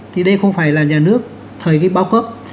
thì đây không phải là nhà nước thời kỳ bao cấp